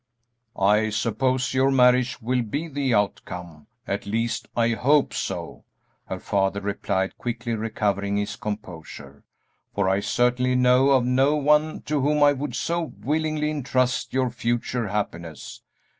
"I suppose your marriage will be the outcome, at least, I hope so," her father replied, quickly recovering his composure, "for I certainly know of no one to whom I would so willingly intrust your future happiness.